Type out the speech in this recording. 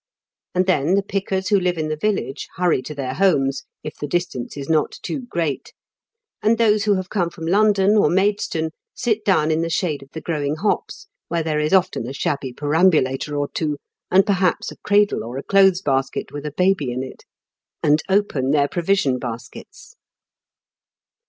" and then the pickers who live in the village hurry to their homes, if the distance is not too great, and those who have come from London or Maidstone sit down in the shade of the growing hops, where there is often a shabby perambulator or two, and perhaps a cradle or a clothes' basket, with a baby in it, and open their provision baskets.